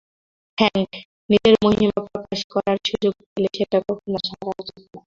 Hank, নিজের মহিমা প্রকাশ করার সুযোগ পেলে সেটা কখনো ছাড়া উচিত না।